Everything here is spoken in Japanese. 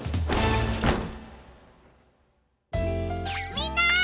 みんな！